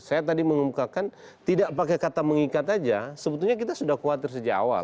saya tadi mengumumkakan tidak pakai kata mengikat aja sebetulnya kita sudah khawatir sejak awal